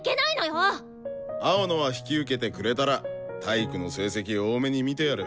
青野は引き受けてくれたら体育の成績大目に見てやる。